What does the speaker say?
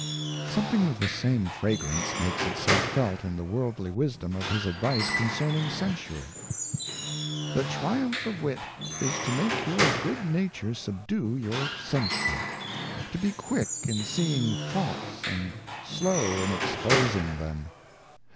Something of the same fragrance makes itself felt in the worldly wisdom of his advice concerning Censure :' The Triumph of Wit is to make your good Nature subdue your Censure ; to be quick in seeing Faults, and slow in exposing them.